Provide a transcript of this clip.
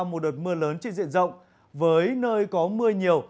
một đợt mưa lớn trên diện rộng với nơi có mưa nhiều